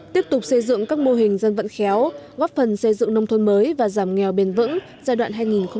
tiếp tục xây dựng các mô hình dân vận khéo góp phần xây dựng nông thôn mới và giảm nghèo bền vững giai đoạn hai nghìn một mươi sáu hai nghìn hai mươi